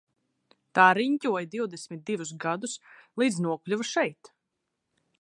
Tā riņķoja divdesmit divus gadus līdz nokļuva šeit.